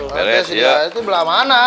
cdi nya itu belah mana